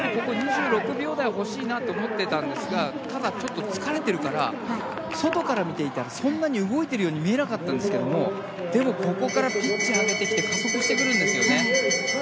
２６秒台が欲しいなと思ってたんですがただ、ちょっと疲れているから外から見ているとそんなに動いているように見えなかったんですがでも、ここからピッチを上げてきて加速してくるんですね。